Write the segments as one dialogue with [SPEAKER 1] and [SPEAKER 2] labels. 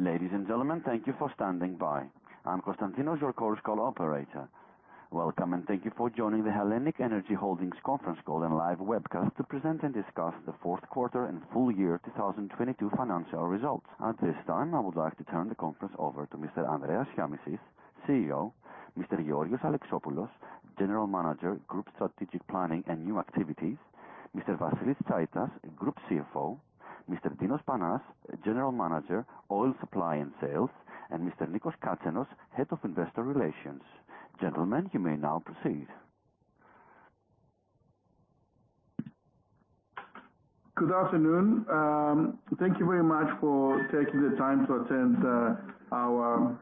[SPEAKER 1] Ladies and gentlemen, thank you for standing by. I'm Konstantinos, your course call operator. Welcome, and thank you for joining the HELLENiQ ENERGY Holdings conference call and live webcast to present and discuss the Q4 and full year 2022 financial results. At this time, I would like to turn the conference over to Mr. Andreas Shiamishis, CEO. Mr. Georgios Alexopoulos, General Manager, Group Strategic Planning and New Activities. Mr. Vasilis Tsaitas, Group CFO, Mr. Dinos Panas, General Manager, Oil Supply and Sales, and Mr. Nikos Katsenos, Head of Investor Relations. Gentlemen, you may now proceed.
[SPEAKER 2] Good afternoon. Thank you very much for taking the time to attend our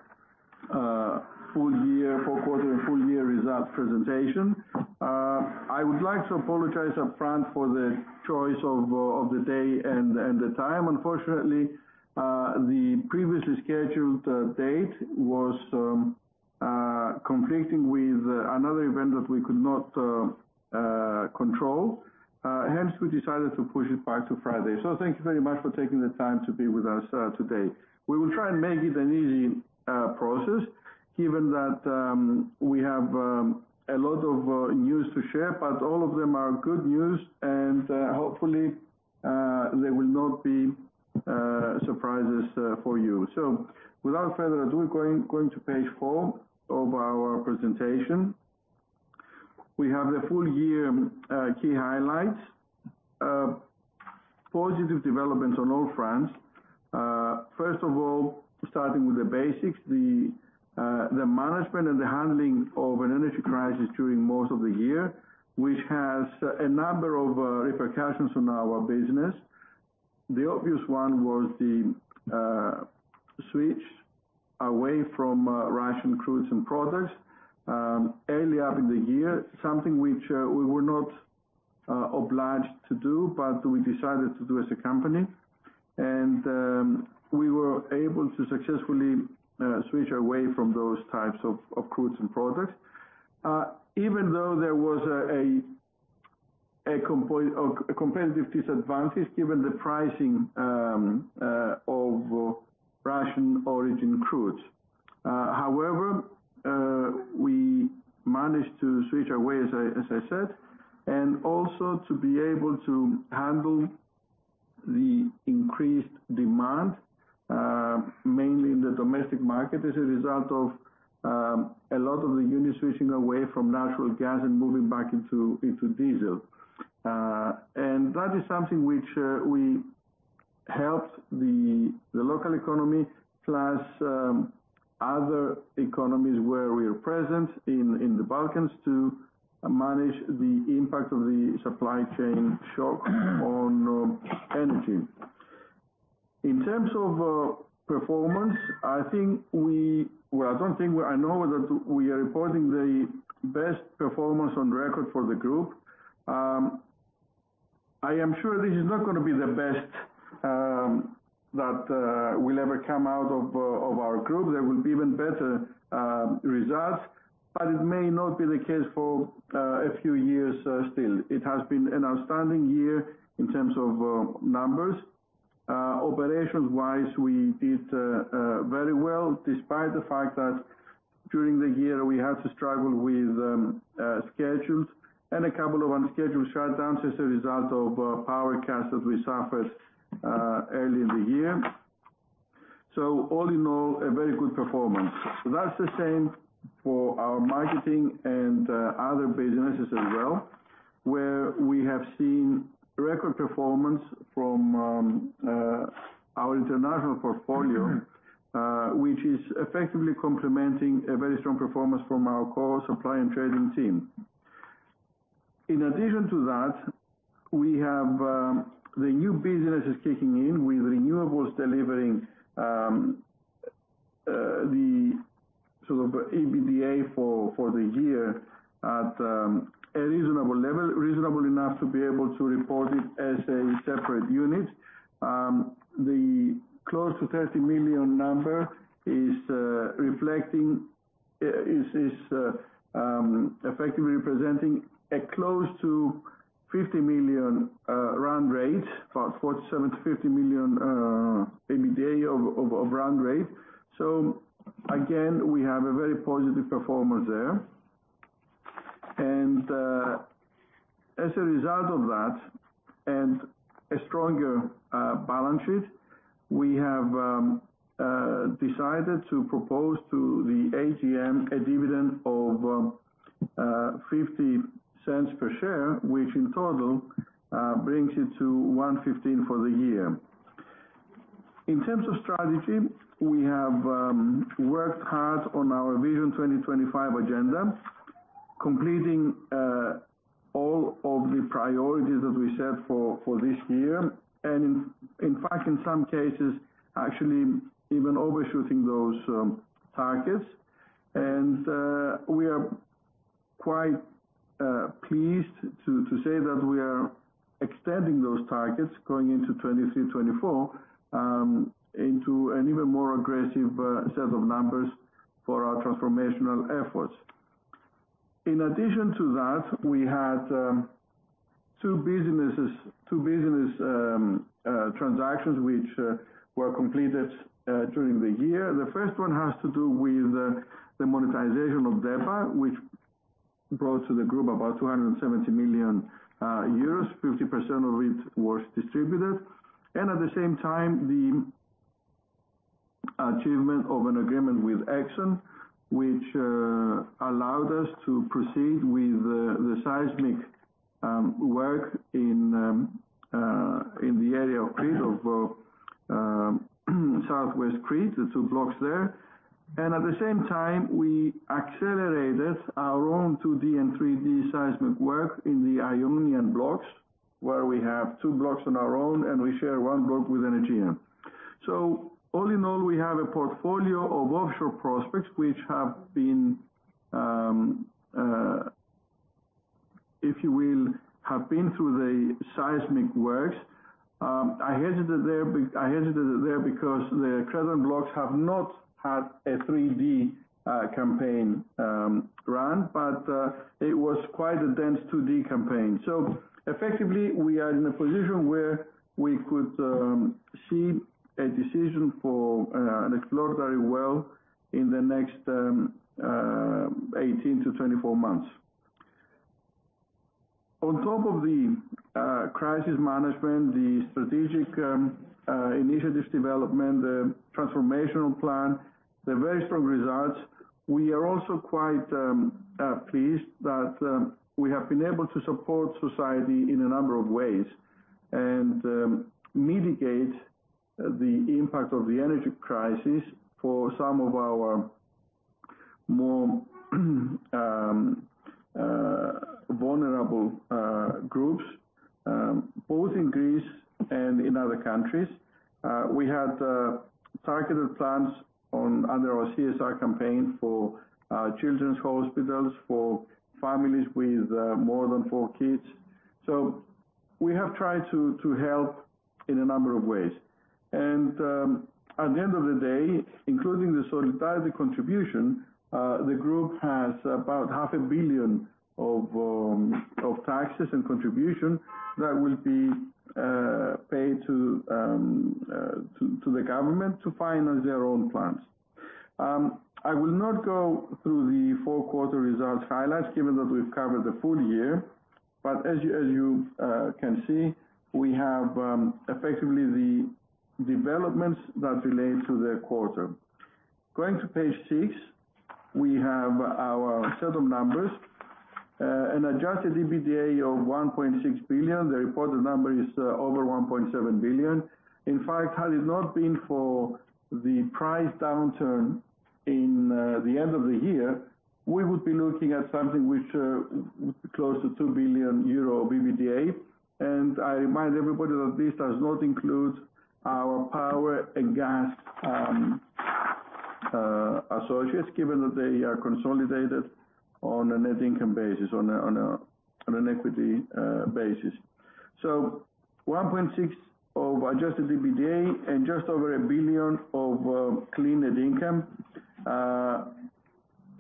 [SPEAKER 2] full year, Q4 and full year result presentation. I would like to apologize upfront for the choice of the day and the time. Unfortunately, the previously scheduled date was conflicting with another event that we could not control. Hence, we decided to push it back to Friday. Thank you very much for taking the time to be with us today. We will try and make it an easy process given that we have a lot of news to share, but all of them are good news, and hopefully, they will not be surprises for you. Without further ado, we're going to page 4 of our presentation. We have the full year key highlights. Positive developments on all fronts. First of all, starting with the basics, the management and the handling of an energy crisis during most of the year, which has a number of repercussions on our business. The obvious one was the switch away from Russian crudes and products early on in the year. Something which we were not obliged to do, but we decided to do as a company. We were able to successfully switch away from those types of crudes and products, even though there was a competitive disadvantage given the pricing of Russian origin crudes. However, we managed to switch away, as I said, and also to be able to handle the increased demand, mainly in the domestic market as a result of a lot of the units switching away from natural gas and moving back into diesel. That is something which we helped the local economy, plus other economies where we are present in the Balkans to manage the impact of the supply chain shock on energy. In terms of performance, I think we Well, I don't think, I know that we are reporting the best performance on record for the group. I am sure this is not gonna be the best that will ever come out of our group. There will be even better results, but it may not be the case for a few years still. It has been an outstanding year in terms of numbers. Operations-wise, we did very well, despite the fact that during the year we had to struggle with schedules and a couple of unscheduled shutdowns as a result of power cuts that we suffered early in the year. All in all, a very good performance. That's the same for our marketing and other businesses as well, where we have seen record performance from our international portfolio, which is effectively complementing a very strong performance from our core Supply and Trading team. In addition to that, we have the new businesses kicking in with renewables delivering the sort of EBITDA for the year at a reasonable level, reasonable enough to be able to report it as a separate unit. The close to 30 million number is effectively representing a close to 50 million run rate, about 47 to 50 million EBITDA of run rate. Again, we have a very positive performer there. As a result of that and a stronger balance sheet, we have decided to propose to the AGM a dividend of 0.50 per share, which in total brings it to 1.15 for the year. In terms of strategy, we have worked hard on our Vision 2025 agenda, completing all of the priorities that we set for this year. In fact, in some cases, actually even overshooting those targets. We are quite pleased to say that we are extending those targets going into 2023, 2024 into an even more aggressive set of numbers for our transformational efforts. In addition to that, we had two business transactions which were completed during the year. The first one has to do with the monetization of DEPA, which brought to the group about 270 million euros, 50% of it was distributed. At the same time, the achievement of an agreement with ExxonMobil, which allowed us to proceed with the seismic work in the area of Crete, of southwest Crete, the 2 blocks there. At the same time, we accelerated our own 2D and 3D seismic work in the Ionian blocks, where we have 2 blocks on our own, and we share 1 block with Energean. All in all, we have a portfolio of offshore prospects which have been, if you will, have been through the seismic works. I hesitated there because the Crescent blocks have not had a 3D campaign run, but it was quite a dense 2D campaign. Effectively, we are in a position where we could see a decision for an exploratory well in the next 18 to 24 months. On top of the crisis management, the strategic initiatives development, the transformational plan, the very strong results, we are also quite pleased that we have been able to support society in a number of ways. Mitigate the impact of the energy crisis for some of our more vulnerable groups, both in Greece and in other countries. We had targeted plans on under our CSR campaign for children's hospitals, for families with more than 4 kids. We have tried to help in a number of ways. At the end of the day, including the solidarity contribution, the group has about half a billion EUR of taxes and contribution that will be paid to the government to finance their own plans. I will not go through the four quarter results highlights, given that we've covered the full year. As you can see, we have effectively the developments that relate to the quarter. Going to page 6, we have our set of numbers, an adjusted EBITDA of 1.6 billion. The reported number is over 1.7 billion. In fact, had it not been for the price downturn in the end of the year, we would be looking at something which close to 2 billion euro EBITDA. I remind everybody that this does not include our power and gas associates, given that they are consolidated on a net income basis on an equity basis. 1.6 of adjusted EBITDA and just over 1 billion of clean net income.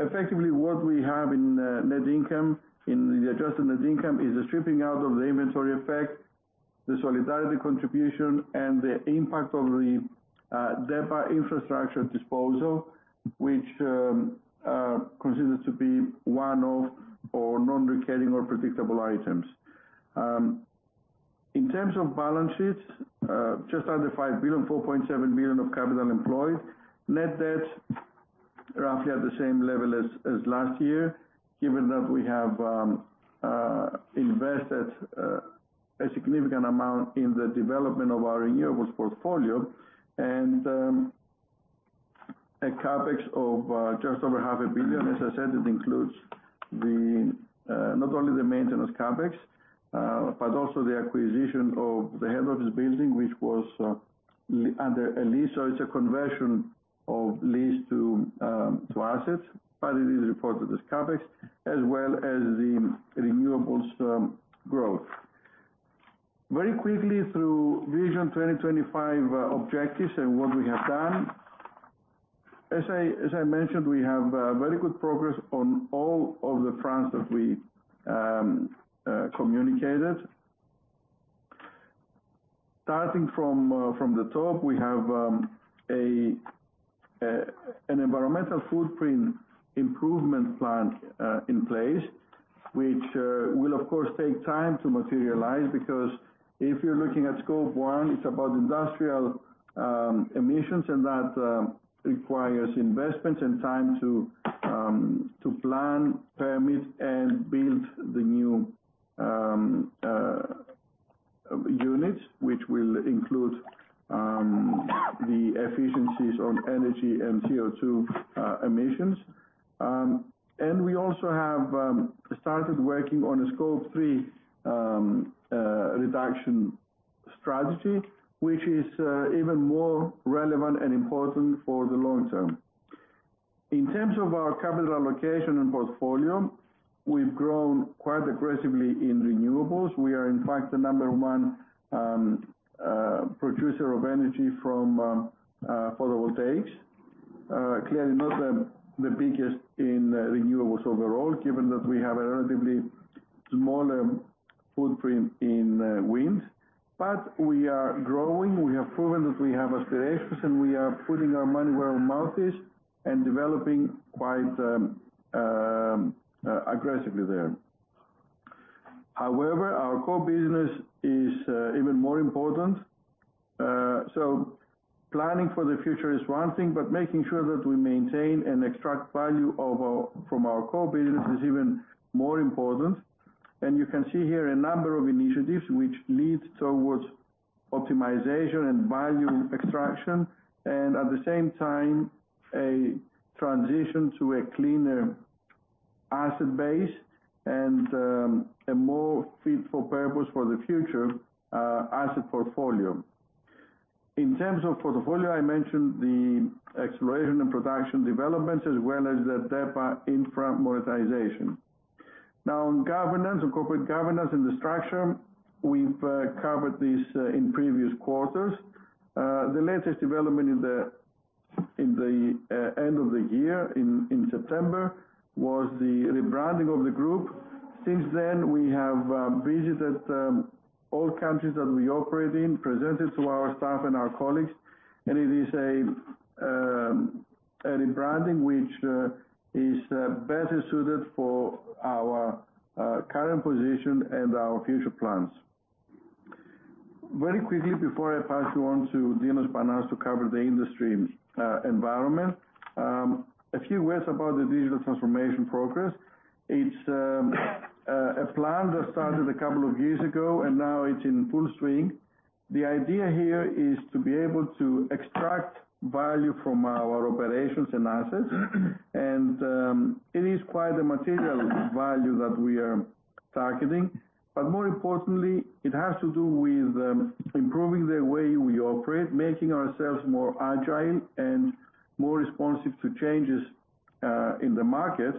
[SPEAKER 2] Effectively, what we have in net income, in the adjusted net income, is the stripping out of the inventory effect, the solidarity contribution, and the impact of the DEPA Infrastructure disposal, which considers to be one of our non-recurring or predictable items. In terms of balance sheets, just under 5 billion, 4.7 billion of capital employed. Net debt roughly at the same level as last year, given that we have invested a significant amount in the development of our renewables portfolio. A CapEx of just over EUR half a billion. As I said, it includes the not only the maintenance CapEx, but also the acquisition of the head office building, which was under a lease. It's a conversion of lease to assets, but it is reported as CapEx, as well as the renewables growth. Very quickly through Vision 2025 objectives and what we have done. As I mentioned, we have very good progress on all of the fronts that we communicated. Starting from the top, we have an environmental footprint improvement plan in place, which will of course take time to materialize. Because if you're looking at Scope 1, it's about industrial emissions. That requires investments and time to plan, permit, and build the new units, which will include the efficiencies on energy and CO2 emissions. We also have started working on a Scope 3 reduction strategy, which is even more relevant and important for the long term. In terms of our capital allocation and portfolio. Quite aggressively in renewables. We are in fact the number one producer of energy from photovoltaics. Clearly not the biggest in renewables overall, given that we have a relatively smaller footprint in wind. We are growing, we have proven that we have aspirations, and we are putting our money where our mouth is, and developing quite aggressively there. However, our core business is even more important. Planning for the future is one thing, but making sure that we maintain and extract value from our core business is even more important. You can see here a number of initiatives which leads towards optimization and value extraction. At the same time, a transition to a cleaner asset base, and a more fit for purpose for the future asset portfolio. In terms of portfolio, I mentioned the exploration and production developments, as well as the DEPA Infrastructure monetization. On governance, on corporate governance and the structure, we've covered this in previous quarters. The latest development in the end of the year in September, was the rebranding of the group. Since then, we have visited all countries that we operate in, presented to our staff and our colleagues. It is a rebranding which is better suited for our current position and our future plans. Very quickly before I pass you on to Dinos Panas to cover the industry environment. A few words about the digital transformation progress. It's a plan that started a couple of years ago, and now it's in full swing. The idea here is to be able to extract value from our operations and assets. It is quite a material value that we are targeting. More importantly, it has to do with improving the way we operate, making ourselves more agile and more responsive to changes in the market.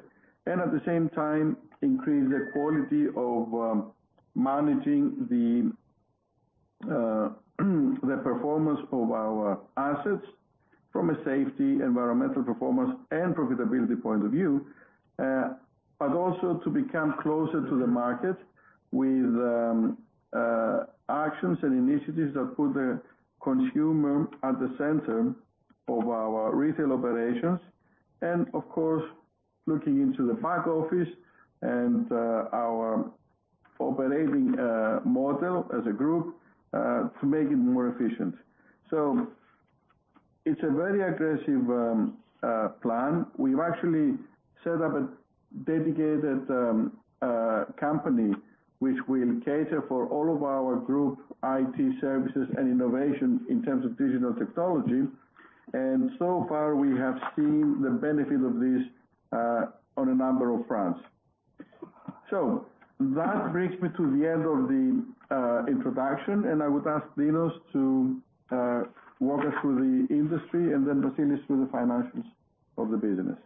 [SPEAKER 2] At the same time, increase the quality of managing the performance of our assets from a safety, environmental performance, and profitability point of view. Also to become closer to the market with actions and initiatives that put the consumer at the center of our retail operations. Of course, looking into the back office and our operating model as a group to make it more efficient. It's a very aggressive plan. We've actually set up a dedicated company which will cater for all of our group IT services and innovation in terms of digital technology. So far, we have seen the benefit of this on a number of fronts. That brings me to the end of the introduction, and I would ask Dinos to walk us through the industry, and then Vasilis through the financials of the business.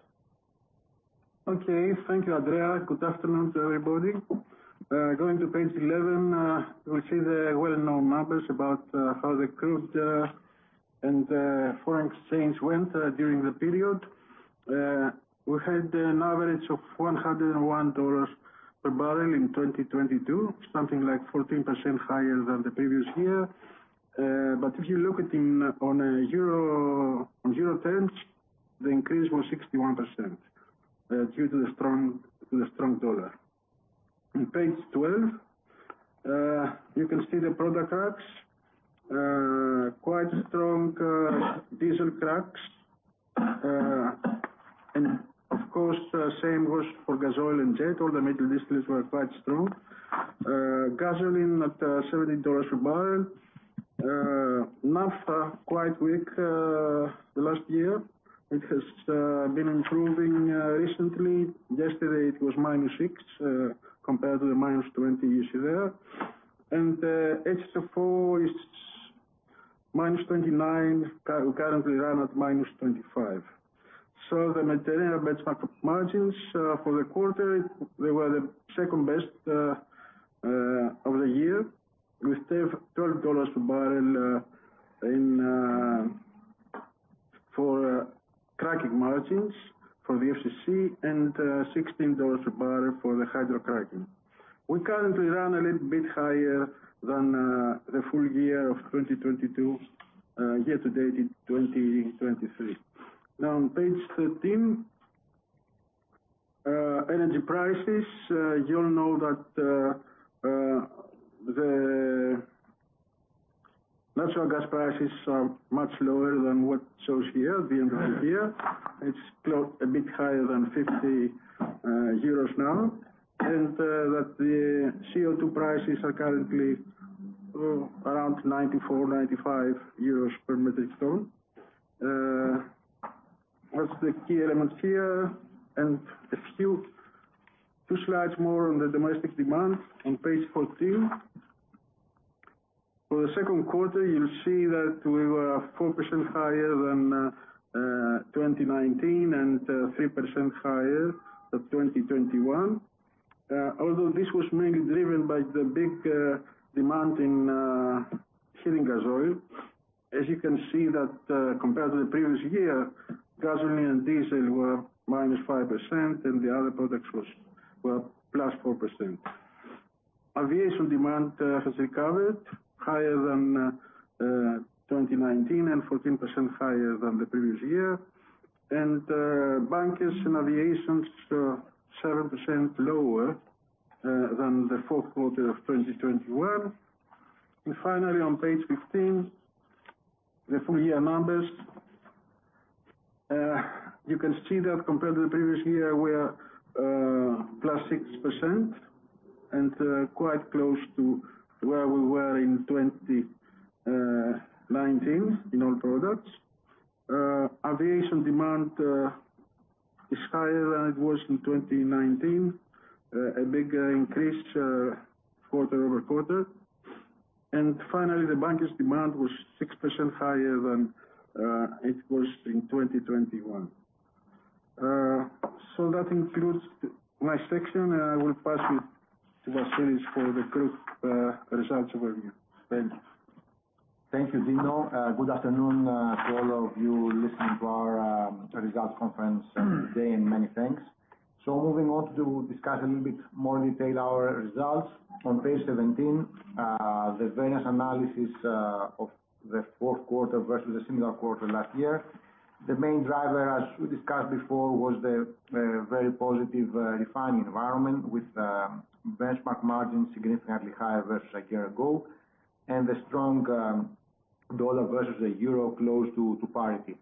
[SPEAKER 3] Okay. Thank you, Andrea. Good afternoon to everybody. Going to page 11, we see the well-known numbers about how the crude and foreign exchange went during the period. We had an average of $101 per barrel in 2022, something like 14% higher than the previous year. If you look at on euro terms, the increase was 61% due to the strong dollar. On page 12, you can see the product cracks. Quite strong diesel cracks. Of course, same goes for gasoil and jet, all the middle distillates were quite strong. Gasoline at $17 per barrel. naphtha, quite weak the last year. It has been improving recently. Yesterday it was -6 compared to the -20 you see there. HFO is -29, currently run at -25. The material benchmark margins for the quarter, they were the second best of the year, with $12 per barrel in... For cracking margins for the FCC, and $16 per barrel for the hydrocracking. We currently run a little bit higher than the full year of 2022 year to date in 2023. On page 13, energy prices. You all know that the natural gas prices are much lower than what shows here, at the end of the year. It's a bit higher than 50 euros now. That the CO2 prices are currently around 94 euros to 95 per metric ton. That's the key elements here. A few, two slides more on the domestic demand on page 14. For the Q2, you'll see that we were 4% higher than 2019 and 3% higher than 2021. Although this was mainly driven by the big demand in heating gasoil. As you can see that, compared to the previous year, gasoline and diesel were -5% and the other products were +4%. Aviation demand has recovered higher than 2019 and 14% higher than the previous year. Bunkers and aviation's 7% lower than the Q4 of 2021. Finally, on page 15, the full year numbers. You can see that compared to the previous year, we are +6% and quite close to where we were in 2019 in all products. Aviation demand is higher than it was in 2019. A big increase quarter-over-quarter. Finally, the bunkers demand was 6% higher than it was in 2021. That concludes my section, and I will pass it to Vasilis for the group results overview. Thank you.
[SPEAKER 4] Thank you, Dino. Good afternoon to all of you listening to our results conference today and many thanks. Moving on to discuss a little bit more in detail our results. On page 17, the various analysis of the Q4 versus the similar quarter last year. The main driver, as we discussed before, was the very positive refining environment with benchmark margins significantly higher versus a year ago. The strong dollar versus the euro close to parity.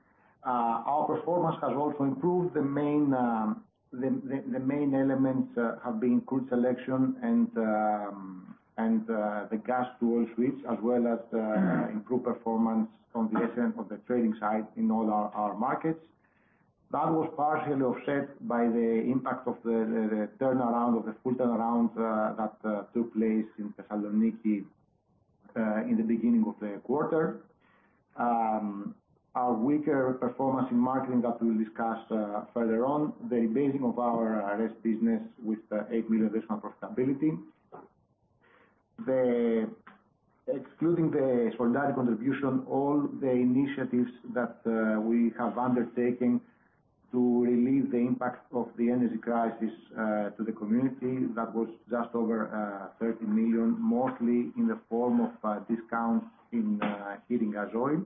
[SPEAKER 4] Our performance has also improved. The main elements have been crude selection and the gasoil switch, as well as improved performance on the S&T side in all our markets. That was partially offset by the impact of the turnaround of the full turnaround that took place in Thessaloniki in the beginning of the quarter. Our weaker performance in marketing that we will discuss further on. The de-basing of our RES business with 8 million additional profitability. Excluding the solidarity contribution, all the initiatives that we have undertaken to relieve the impact of the energy crisis to the community, that was just over 30 million, mostly in the form of discounts in heating gasoil.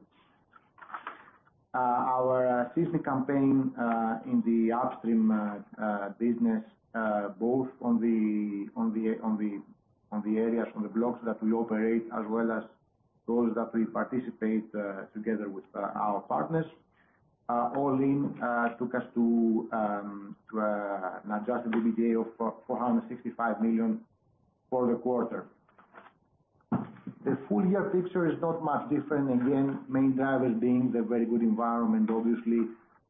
[SPEAKER 4] Our seismic campaign in the upstream business, both on the areas, on the blocks that we operate as well as those that we participate together with our partners, all in, took us to an adjusted EBITDA of 465 million for the quarter. The full year picture is not much different. Again, main drivers being the very good environment, obviously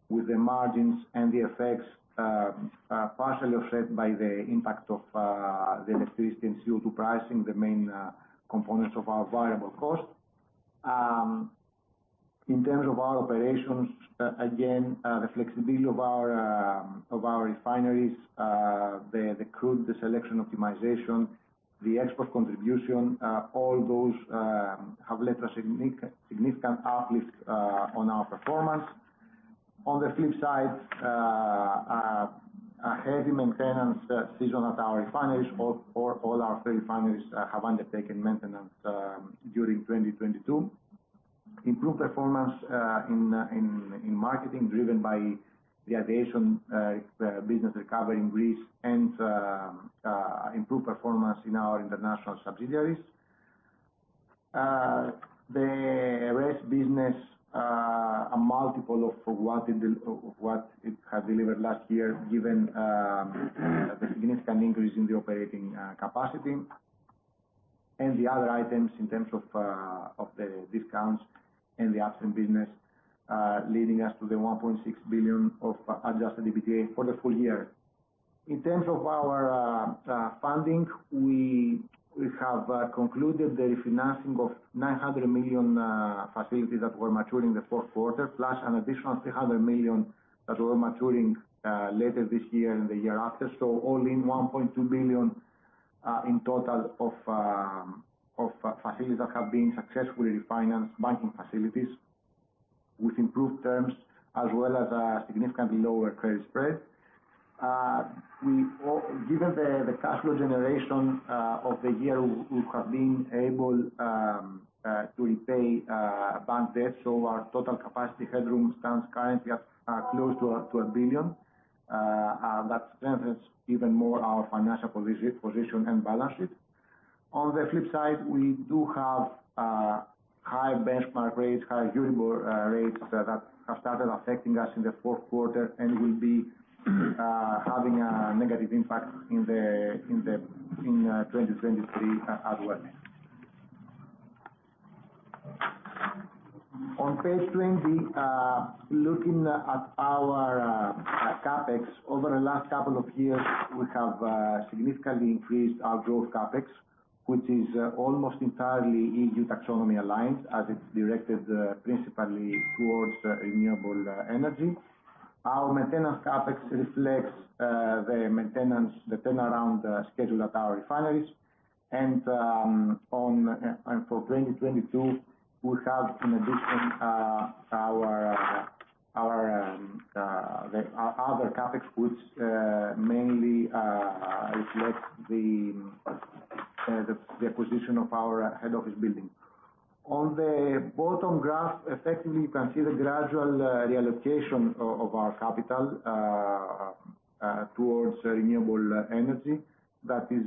[SPEAKER 4] with the margins and the effects, partially offset by the impact of the increase in CO2 pricing, the main components of our variable costs. In terms of our operations, again, the flexibility of our refineries, the crude, the selection optimization, the export contribution, all those have led to a significant uplift on our performance. On the flip side, a heavy maintenance season at our refineries. All our three refineries have undertaken maintenance during 2022. Improved performance in marketing, driven by the aviation business recovery in Greece and improved performance in our international subsidiaries. The RES business, a multiple of what it had delivered last year, given the significant increase in the operating capacity. The other items in terms of the discounts in the upstream business, leading us to 1.6 billion of adjusted EBITDA for the full year. In terms of our funding, we have concluded the refinancing of 900 million facilities that were maturing in the Q4, plus an additional 300 million that were maturing later this year and the year after. All in 1.2 billion in total of facilities that have been successfully refinanced banking facilities with improved terms, as well as a significantly lower credit spread. We given the cash flow generation of the year, we have been able to repay bank debt, our total capacity headroom stands currently at close to a 1 billion. That strengthens even more our financial position and balance sheet. On the flip side, we do have high benchmark rates, high Euribor rates that have started affecting us in the Q4 and will be having a negative impact in 2023 as well. On page 20, looking at our CapEx over the last couple of years, we have significantly increased our growth CapEx, which is almost entirely EU Taxonomy aligned as it's directed principally towards renewable energy. Our maintenance CapEx reflects the maintenance, the turnaround schedule at our refineries. For 2022, we have in addition our other CapEx, which mainly reflects the acquisition of our head office building. On the bottom graph, effectively, you can see the gradual reallocation of our capital towards renewable energy that is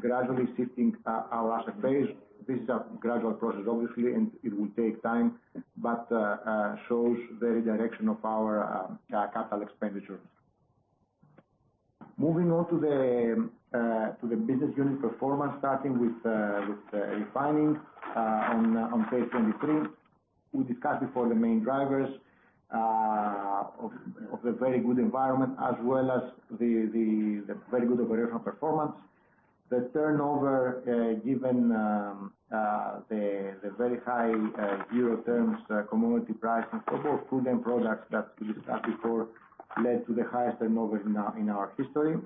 [SPEAKER 4] gradually shifting our asset base. This is a gradual process, obviously, and it will take time, but shows the direction of our capital expenditures. Moving on to the business unit performance, starting with refining on page 23. We discussed before the main drivers of the very good environment as well as the very good operational performance. The turnover given the very high Euro terms commodity price and total crude products that we discussed before led to the highest turnover in our history.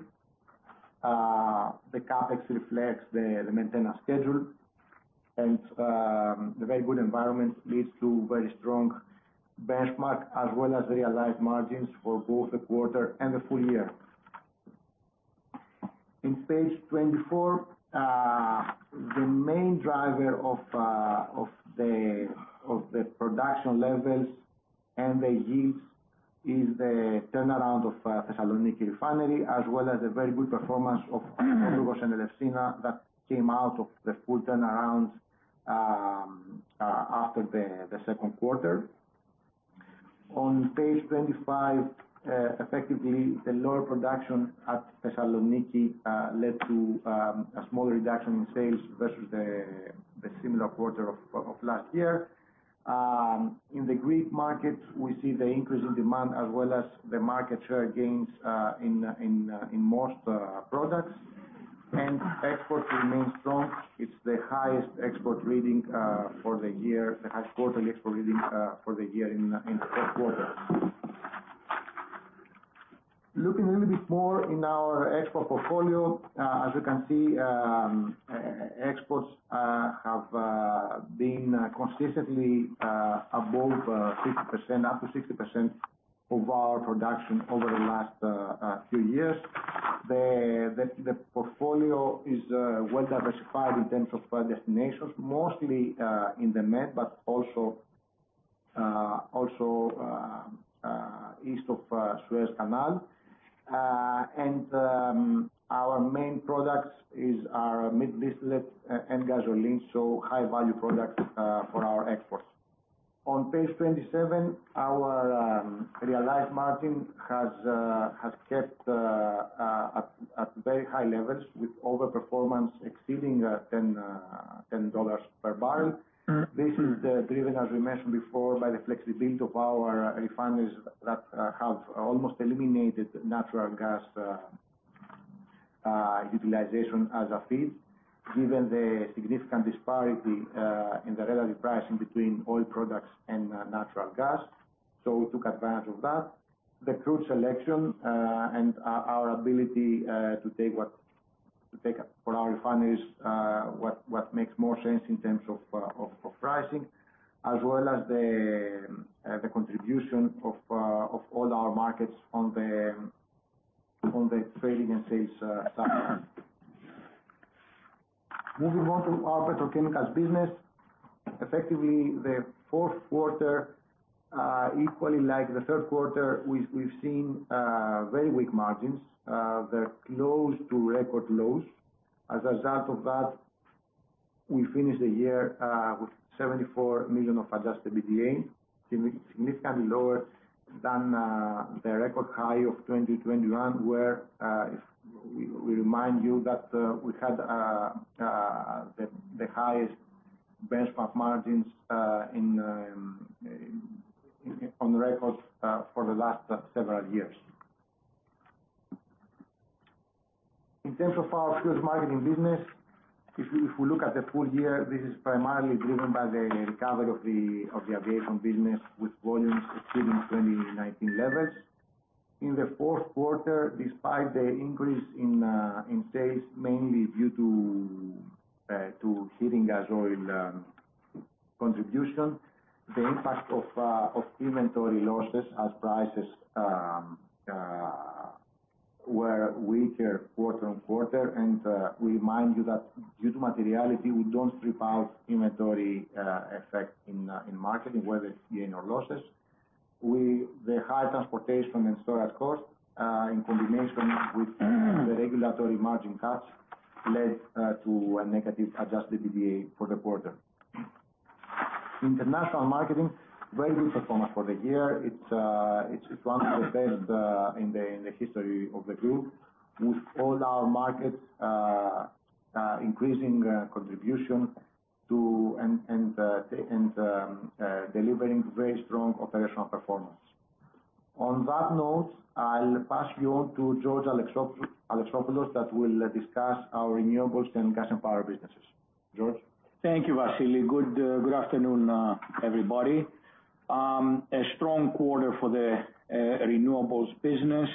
[SPEAKER 4] The CapEx reflects the maintenance schedule, the very good environment leads to very strong benchmark as well as realized margins for both the quarter and the full year. In page 24, the main driver of the production levels and the yields is the turnaround of Thessaloniki Refinery, as well as the very good performance of Elefsina that came out of the full turnarounds after the Q2. On page 25, effectively, the lower production at Thessaloniki led to a smaller reduction in sales versus the similar quarter of last year. In the Greek market, we see the increase in demand as well as the market share gains in most products. Exports remain strong. It's the highest export reading for the year, the highest quarterly export reading for the year in the Q1. Looking a little bit more in our export portfolio, as you can see, exports have been consistently above 60%. Up to 60% of our production over the last few years. The portfolio is well diversified in terms of destinations, mostly in the Med, but also east of Suez Canal. Our main products is our middle distillate and gasoline, so high value products for our exports. On page 27, our realized margin has kept at very high levels with overperformance exceeding $10 per barrel. This is driven, as we mentioned before, by the flexibility of our refineries that have almost eliminated natural gas utilization as a feed, given the significant disparity in the relative pricing between oil products and natural gas. We took advantage of that. The crude selection and our ability to take for our refineries what makes more sense in terms of pricing, as well as the contribution of all our markets on the trading and sales side. Moving on to our petrochemicals business. Effectively, the Q4, equally like the Q3, we've seen very weak margins, they're close to record lows. As a result of that, we finished the year with 74 million of adjusted EBITDA, significantly lower than the record high of 2021, where if we remind you that we had the highest benchmark margins in on record for the last several years. In terms of our fuels marketing business, if we look at the full year, this is primarily driven by the recovery of the aviation business with volumes exceeding 2019 levels. In the Q4, despite the increase in sales, mainly due to heating gasoil contribution, the impact of inventory losses as prices were weaker quarter-on-quarter. We remind you that due to materiality, we don't strip out inventory effect in marketing, whether it's gain or losses. The high transportation and storage cost in combination with the regulatory margin cuts led to a negative adjusted EBITDA for the quarter. International marketing, very good performance for the year. It's one of the best in the history of the group, with all our markets increasing contribution to and delivering very strong operational performance. On that note, I'll pass you on to George Alexopoulos that will discuss our renewables and gas and power businesses. George.
[SPEAKER 5] Thank you, Vassili. Good afternoon, everybody. A strong quarter for the renewables business.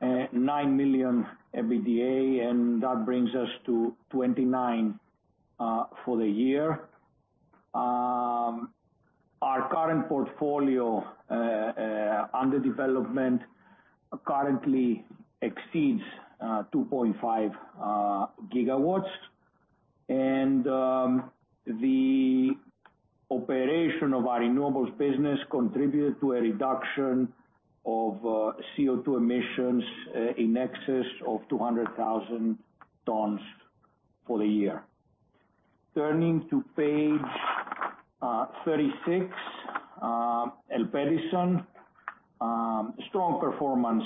[SPEAKER 5] 9 million EBITDA, and that brings us to 29 million for the year. Our current portfolio under development currently exceeds 2.5 gigawatts. The operation of our renewables business contributed to a reduction of CO2 emissions in excess of 200,000 tons for the year. Turning to page 36, ELPEDISON. Strong performance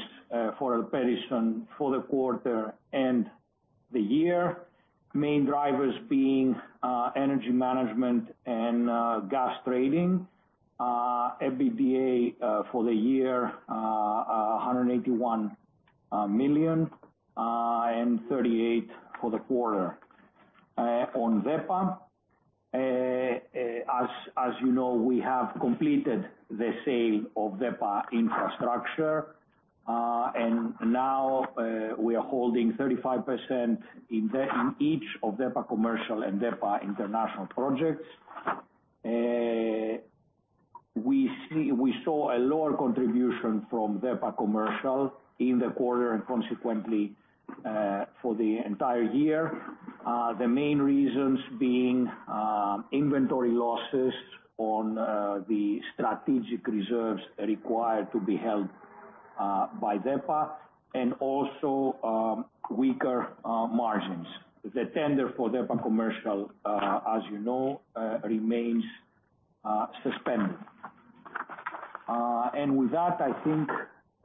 [SPEAKER 5] for ELPEDISON for the quarter and the year. Main drivers being energy management and gas trading. EBITDA for the year, 181 and 38 million for the quarter. On DEPA, as you know, we have completed the sale of DEPA Infrastructure. Now, we are holding 35% in each of DEPA Commercial and DEPA International Projects. We saw a lower contribution from DEPA Commercial in the quarter and consequently, for the entire year. The main reasons being, inventory losses on the strategic reserves required to be held by DEPA and also, weaker margins. The tender for DEPA Commercial, as you know, remains suspended. With that, I think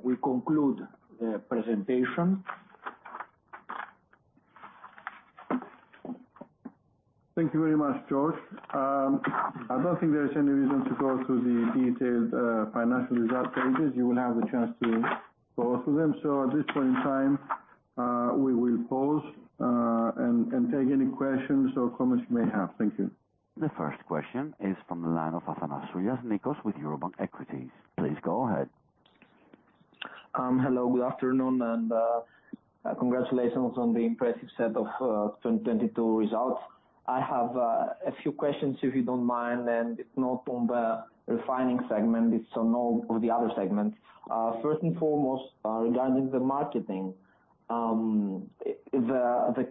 [SPEAKER 5] we conclude the presentation.
[SPEAKER 2] Thank you very much, George. I don't think there is any reason to go through the detailed financial result pages. You will have the chance to go through them. At this point in time, we will pause, and take any questions or comments you may have. Thank you.
[SPEAKER 1] The first question is from the line of Nikos Athanasiou with Eurobank Equities. Please go ahead.
[SPEAKER 6] Hello, good afternoon, congratulations on the impressive set of 2022 results. I have a few questions, if you don't mind. It's not on the refining segment. It's on all of the other segments. First and foremost, regarding the marketing. The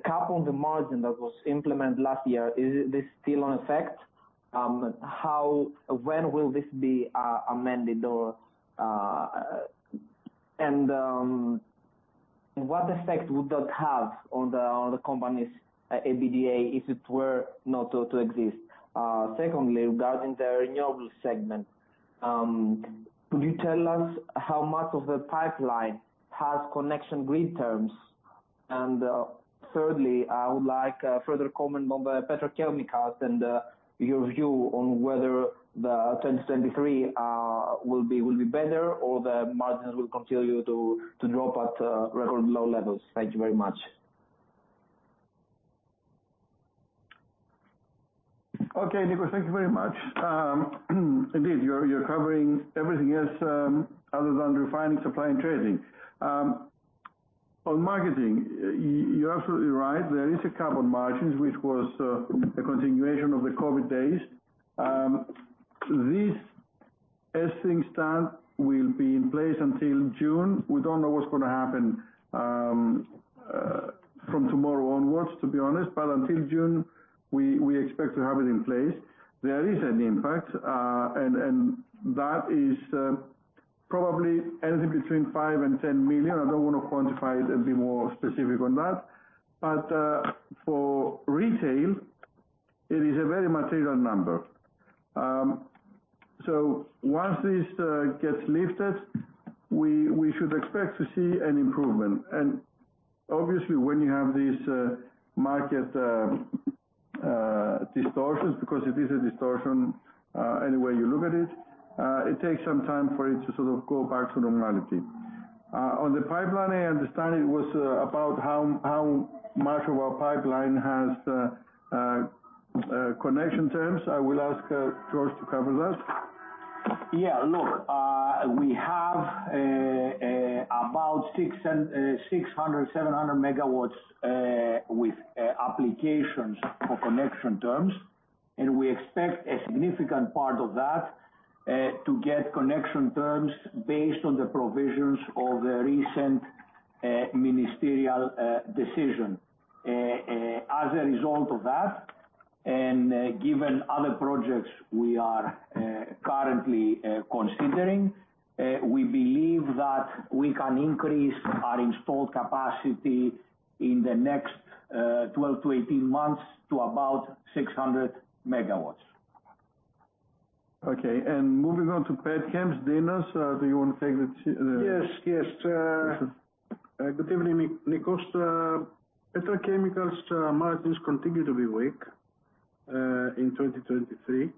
[SPEAKER 6] cap on the margin that was implemented last year, is this still in effect? When will this be amended or? What effect would that have on the company's EBITDA if it were not to exist? Secondly, regarding the renewable segment, could you tell us how much of the pipeline has grid connection terms? thirdly, I would like a further comment on the Petrochemicals and your view on whether the 2023 will be better or the margins will continue to drop at record low levels. Thank you very much.
[SPEAKER 2] Okay, Nikos, thank you very much. Indeed, you're covering everything else other than refining, supply and trading. On marketing, you're absolutely right. There is a cap on margins, which was a continuation of the COVID days. This, as things stand, will be in place until June. We don't know what's gonna happen from tomorrow onwards, to be honest. Until June, we expect to have it in place. There is an impact, and that is probably anything between 5 million and 10 million. I don't wanna quantify it and be more specific on that. For retail, it is a very material number. Once this gets lifted, we should expect to see an improvement. Obviously, when you have these market distortions, because it is a distortion, any way you look at it takes some time for it to sort of go back to normality. On the pipeline, I understand it was about how much of our pipeline has connection terms. I will ask George to cover that.
[SPEAKER 5] Yeah. Look, we have about 600, 700 megawatts with applications for connection terms, and we expect a significant part of that to get connection terms based on the provisions of the recent ministerial decision. As a result of that, and given other projects we are currently considering, we believe that we can increase our installed capacity in the next 12 to 18 months to about 600 megawatts.
[SPEAKER 2] Okay. Moving on to petchems, Dinos, do you wanna take the
[SPEAKER 3] Yes, yes.
[SPEAKER 2] Please.
[SPEAKER 3] Good evening, Nikos. Petrochemicals margins continue to be weak in 2023.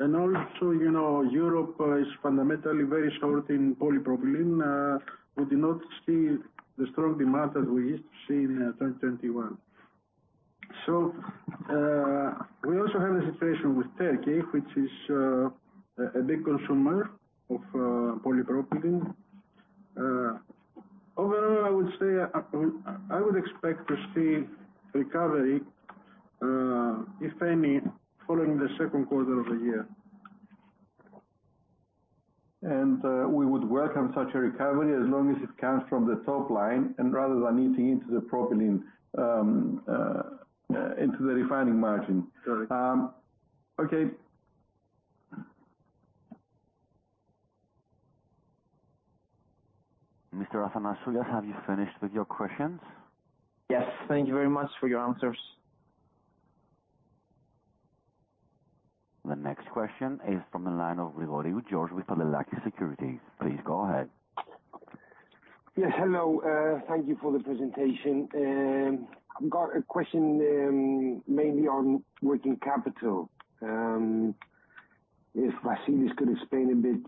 [SPEAKER 3] Also, you know, Europe is fundamentally very short in polypropylene. We do not see the strong demand as we used to see in 2021. We also have a situation with Turkey which is a big consumer of polypropylene. I would say, I would expect to see recovery, if any, following the Q2 of the year.
[SPEAKER 4] We would welcome such a recovery as long as it comes from the top line and rather than eating into the propylene, into the refining margin.
[SPEAKER 3] Correct.
[SPEAKER 4] Okay.
[SPEAKER 1] Mr. Athanasiou, have you finished with your questions?
[SPEAKER 6] Yes. Thank you very much for your answers.
[SPEAKER 1] The next question is from the line of George Livanis with EUROXX Securities. Please go ahead.
[SPEAKER 7] Yes, hello. Thank you for the presentation. I've got a question, mainly on working capital. If Vasilis could explain a bit,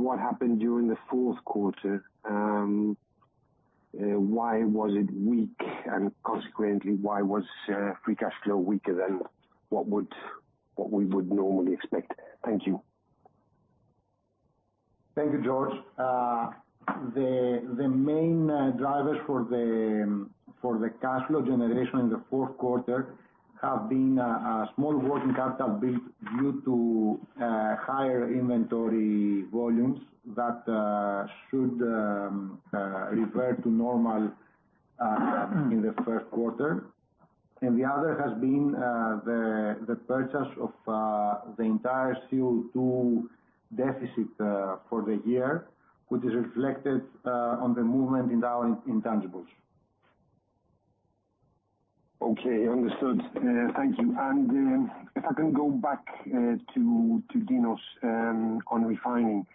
[SPEAKER 7] what happened during the Q4, why was it weak? Consequently, why was free cash flow weaker than what we would normally expect? Thank you.
[SPEAKER 4] Thank you, George. The main drivers for the cash flow generation in the Q4 have been a small working capital bit due to higher inventory volumes that should revert to normal in the Q1. The other has been the purchase of the entire CO2 deficit for the year, which is reflected on the movement in our intangibles.
[SPEAKER 7] Okay. Understood. Thank you. If I can go back to Dinos on refining.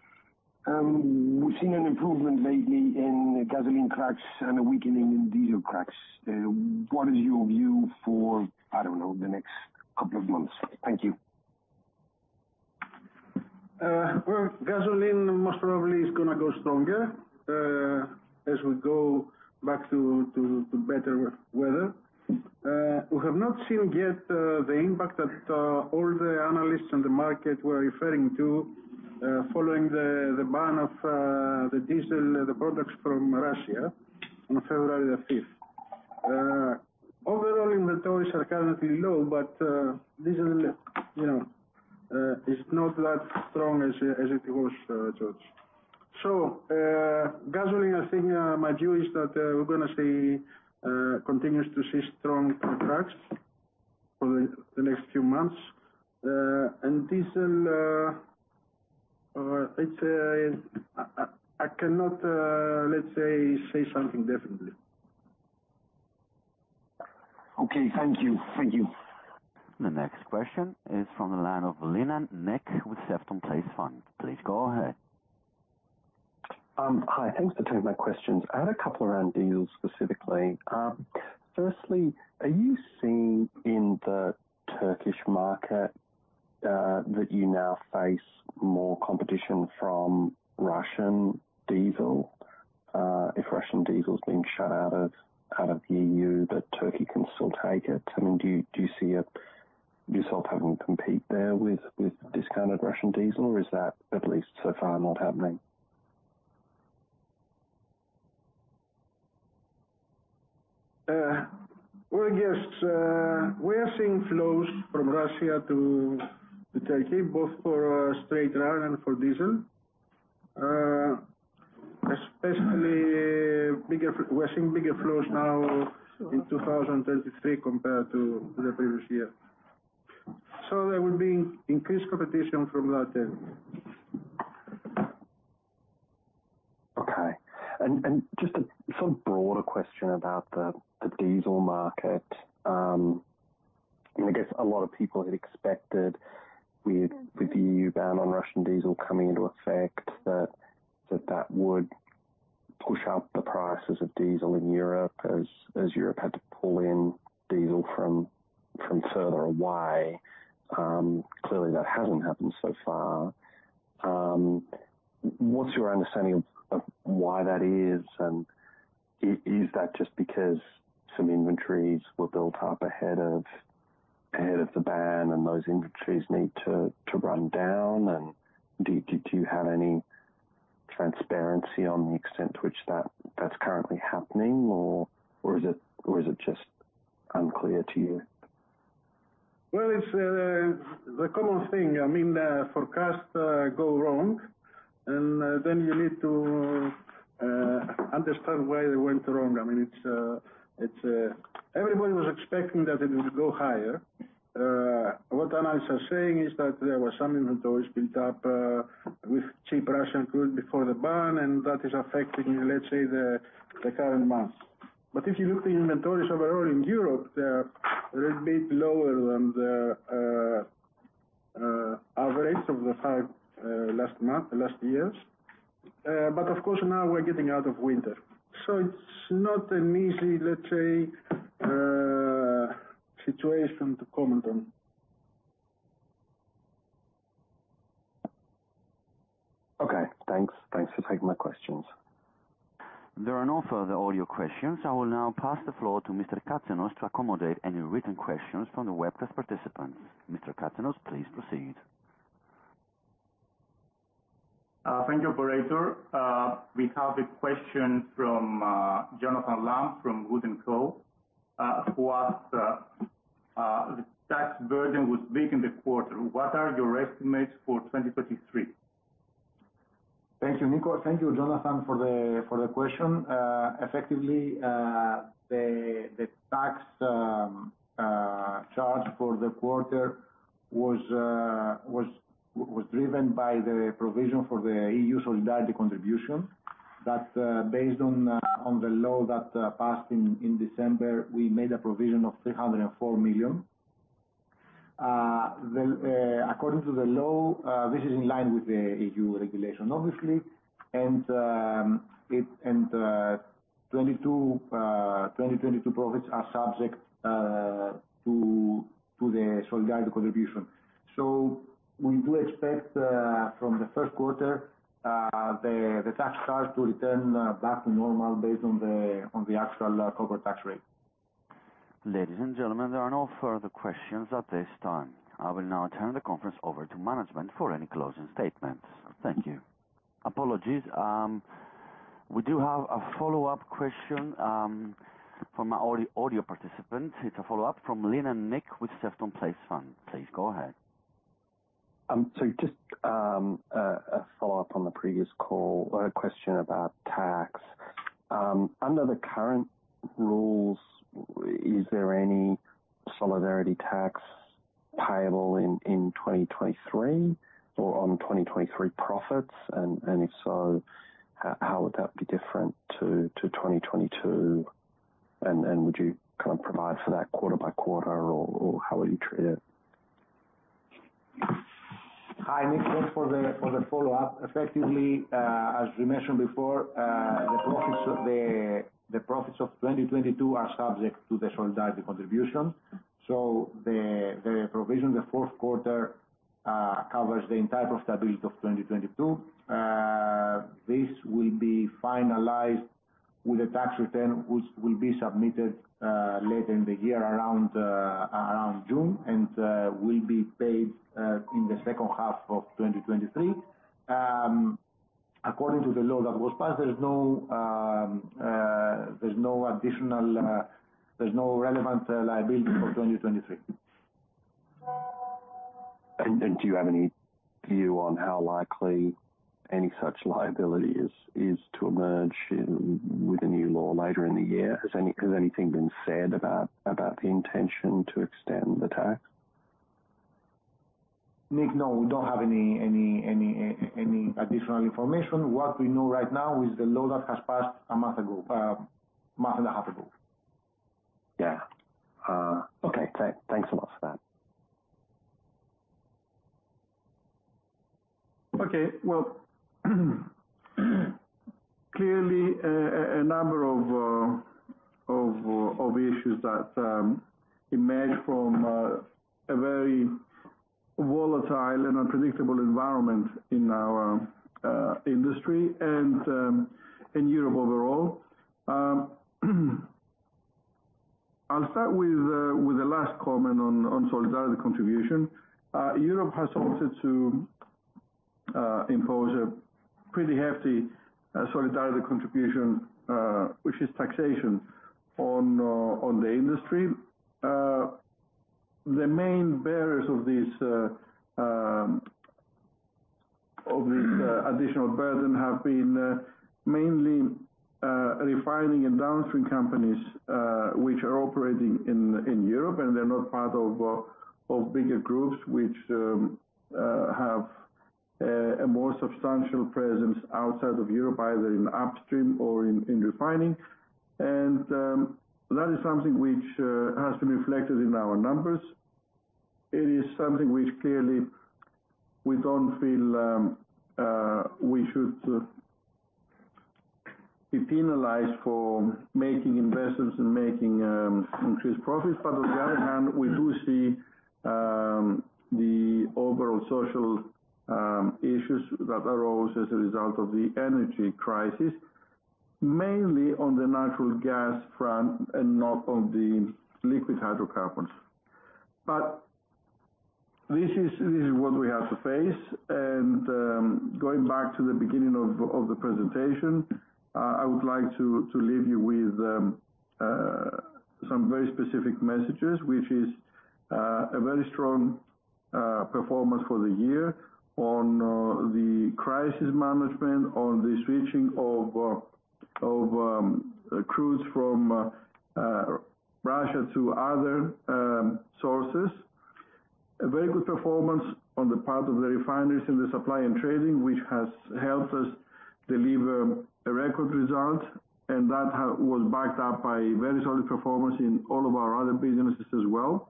[SPEAKER 7] We've seen an improvement lately in gasoline cracks and a weakening in diesel cracks. What is your view for, I don't know, the next couple of months? Thank you.
[SPEAKER 3] Most probably is gonna go stronger as we go back to better weather. We have not seen yet the impact that all the analysts on the market were referring to following the ban of the diesel products from Russia on February 5th. Overall inventories are currently low, but diesel, you know, is not that strong as it was, George. Gasoline, I think, my view is that we're gonna continues to see strong cracks for the next few months. And diesel, it's... I cannot, let's say something definitely.
[SPEAKER 7] Okay. Thank you. Thank you.
[SPEAKER 1] The next question is from the line of Nick Linnane with Sefton Place Fund. Please go ahead.
[SPEAKER 8] Hi. Thanks for taking my questions. I had a couple around diesel specifically. Firstly, are you seeing in the Turkish market, that you now face more competition from Russian diesel? If Russian diesel is being shut out of EU, that Turkey can still take it. I mean, do you see yourself having to compete there with discounted Russian diesel? Or is that at least so far not happening?
[SPEAKER 3] Well, I guess, we are seeing flows from Russia to Turkey both for straight run and for diesel. We're seeing bigger flows now in 2023 compared to the previous year. There will be increased competition from that end.
[SPEAKER 8] Okay. Just a sort of broader question about the diesel market. I guess a lot of people had expected with the EU ban on Russian diesel coming into effect that that would push up the prices of diesel in Europe as Europe had to pull in diesel from further away. Clearly that hasn't happened so far. What's your understanding of why that is? Is that just because some inventories were built up ahead of the ban, and those inventories need to run down? Do you have any transparency on the extent to which that's currently happening or is it just unclear to you?
[SPEAKER 3] Well, it's the common thing. I mean, forecasts go wrong, then you need to understand why they went wrong. I mean, everybody was expecting that it would go higher. What analysts are saying is that there were some inventories built up with cheap Russian crude before the ban, and that is affecting, let's say, the current months. If you look at the inventories overall in Europe, they're a little bit lower than the.
[SPEAKER 2] Average of the five, last month, last years. Of course now we're getting out of winter. It's not an easy, let's say, situation to comment on.
[SPEAKER 8] Okay, thanks. Thanks for taking my questions.
[SPEAKER 1] There are no further audio questions. I will now pass the floor to Mr. Katsenos to accommodate any written questions from the webcast participants. Mr. Katsenos, please proceed.
[SPEAKER 9] Thank you, operator. We have a question from Jonathan Lamb from Wood & Company. Who asked, the tax burden was big in the quarter. What are your estimates for 2023?
[SPEAKER 2] Thank you, Nikos. Thank you, Jonathan, for the question. Effectively, the tax charge for the quarter was driven by the provision for the EU solidarity contribution. That, based on the law that passed in December, we made a provision of 304 million. According to the law, this is in line with the EU regulation, obviously. 2022 profits are subject to the solidarity contribution. We do expect from the Q1 the tax charge to return back to normal based on the actual corporate tax rate.
[SPEAKER 1] Ladies and gentlemen, there are no further questions at this time. I will now turn the conference over to management for any closing statements. Thank you. Apologies. We do have a follow-up question from our audio participant. It's a follow-up from Linnane Nick with Sefton Place Fund. Please go ahead.
[SPEAKER 8] So just a follow-up on the previous call. I had a question about tax. Under the current rules, is there any solidarity contribution payable in 2023 or on 2023 profits? If so, how would that be different to 2022? Would you kind of provide for that quarter by quarter or how would you treat it?
[SPEAKER 2] Hi, Nick. Thanks for the follow-up. Effectively, as we mentioned before, the profits of 2022 are subject to the solidarity contribution. The provision in Q4 covers the entire profitability of 2022. This will be finalized with a tax return which will be submitted later in the year around June and will be paid in the second half of 2023. According to the law that was passed, there's no additional, there's no relevant liability for 2023.
[SPEAKER 8] Do you have any view on how likely any such liability is to emerge with the new law later in the year? Has anything been said about the intention to extend the tax?
[SPEAKER 2] Nick, no, we don't have any additional information. What we know right now is the law that has passed a month ago. A month and a half ago.
[SPEAKER 8] Yeah. okay. thanks so much for that.
[SPEAKER 2] Okay. Well, clearly a number of issues that emerged from a very volatile and unpredictable environment in our industry and in Europe overall. I'll start with the last comment on solidarity contribution. Europe has opted to impose a pretty hefty solidarity contribution, which is taxation on the industry. The main bearers of this additional burden have been mainly refining and downstream companies, which are operating in Europe. They're not part of bigger groups which have a more substantial presence outside of Europe, either in upstream or in refining. That is something which has been reflected in our numbers. It is something which clearly we don't feel we should be penalized for making investments and making increased profits. On the other hand, we do see the overall social issues that arose as a result of the energy crisis, mainly on the natural gas front and not on the liquid hydrocarbons. This is what we have to face. Going back to the beginning of the presentation, I would like to leave you with some very specific messages, which is a very strong performance for the year on the crisis management, on the switching of crude from Russia to other sources. A very good performance on the part of the refineries in the Supply and Trading, which has helped us deliver a record result. That was backed up by very solid performance in all of our other businesses as well.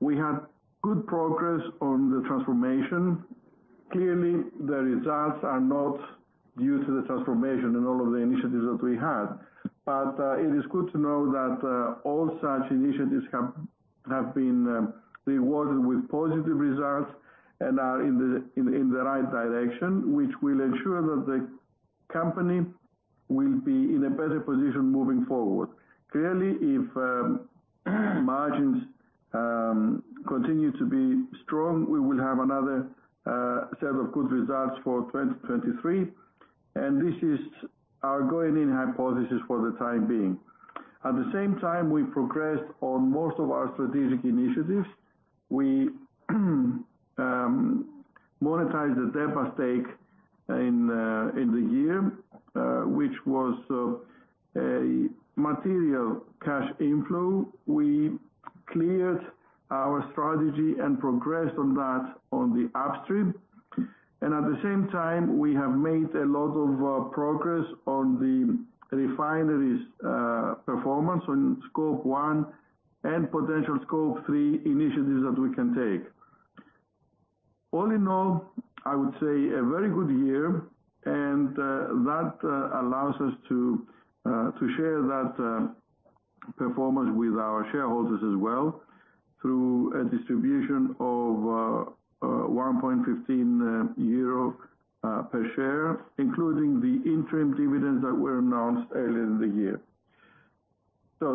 [SPEAKER 2] We had good progress on the transformation. Clearly, the results are not due to the transformation and all of the initiatives that we had. It is good to know that all such initiatives have been rewarded with positive results, and are in the right direction, which will ensure that the company will be in a better position moving forward. Clearly, if margins continue to be strong, we will have another set of good results for 2023, and this is our going in hypothesis for the time being. At the same time, we progressed on most of our strategic initiatives. We monetized the DEPA stake in the year, which was a material cash inflow. We cleared our strategy and progressed on that on the upstream. At the same time, we have made a lot of progress on the refineries performance on Scope 1 and potential Scope 3 initiatives that we can take. All in all, I would say a very good year, and that allows us to share that performance with our shareholders as well through a distribution of 1.15 euro per share, including the interim dividends that were announced earlier in the year.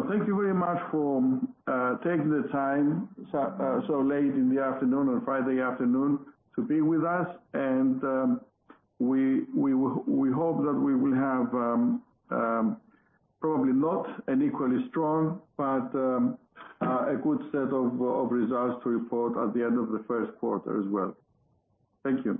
[SPEAKER 2] Thank you very much for taking the time so late in the afternoon, on Friday afternoon to be with us. We hope that we will have probably not an equally strong, but a good set of results to report at the end of the Q1 as well. Thank you.